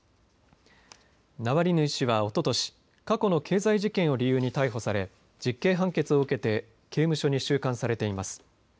ナワリヌイ氏は、おととし過去の経済事件を理由に逮捕され実刑判決を受けて刑務所に収監されています。